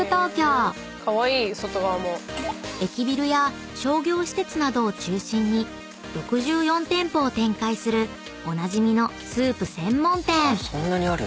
［駅ビルや商業施設などを中心に６４店舗を展開するおなじみのスープ専門店］